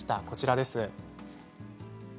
こちらです。